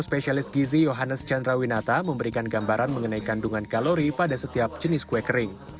spesialis gizi johannes chandrawinata memberikan gambaran mengenai kandungan kalori pada setiap jenis kue kering